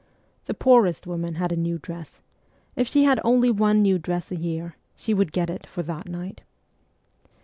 The poorest woman had a new dress ; if she had only one new dress a year, she would get it for that night.